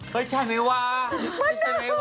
เฮ้ยใช่ไหมว่า